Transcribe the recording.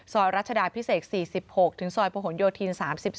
ซอยรัชดาพิเศก๔๖ถึงซอยโผนโยธีน๓๓